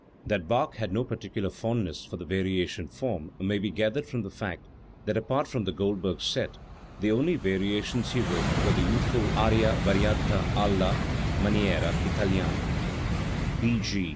That Bach had no particular fondness for the variation form may be gathered from the fact that apart from the Goldberg set, the only variations he wrote were the youth ful Ana variata alia maniera italiana (B.